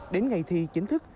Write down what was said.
đến ngày thi chính thức